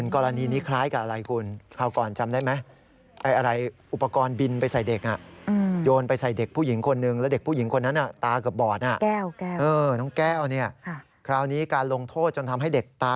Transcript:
กรณีนี้คล้ายกับอะไร